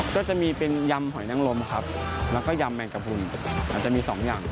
ก็จะมีเป็นยำหอยนังลมครับแล้วก็ยำแมงกระพุนอาจจะมีสองยำ